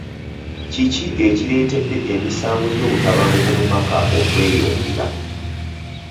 Kiki ekireetedde emisango gy'obutabanguko mu maka okweyongera?